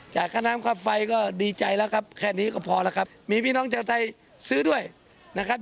ค่าน้ำค่าไฟก็ดีใจแล้วครับแค่นี้ก็พอแล้วครับมีพี่น้องชาวไทยซื้อด้วยนะครับ